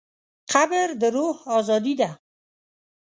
قبر د روح ازادي ده.